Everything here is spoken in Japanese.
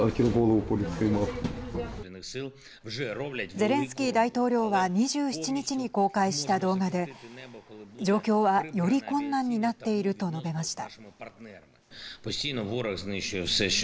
ゼレンスキー大統領は２７日に公開した動画で状況は、より困難になっていると述べました。